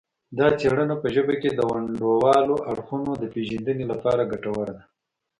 دا څیړنه په ژبه کې د ونډوالو اړخونو د پیژندنې لپاره ګټوره ده